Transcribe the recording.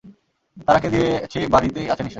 তারাকে দিয়েছি বাড়িতেই আছে নিশ্চয়ই।